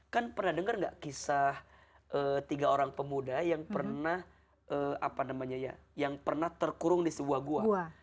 kan pernah dengar nggak kisah tiga orang pemuda yang pernah terkurung di sebuah gua